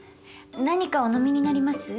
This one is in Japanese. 何かお飲みになります？